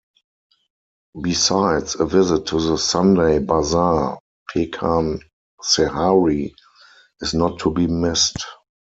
Besides, a visit to the Sunday Bazaar "Pekan Sehari" is not to be missed.